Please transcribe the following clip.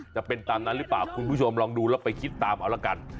จะเป็นตามนั้นหรือเปล่าคุณผู้ชมลองดูแล้วไปคิดตามเอาละกัน